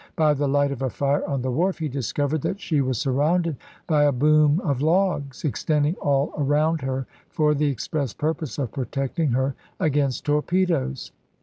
By the light of a fire on the wharf he discovered that she was sur rounded by a boom of logs extending all around her for the express purpose of protecting her against torpedoes.